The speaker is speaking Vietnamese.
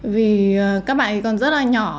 vì các bạn còn rất là nhỏ